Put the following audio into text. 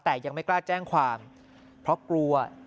แต่ยังไม่กล้าแจ้งความเพราะกลัว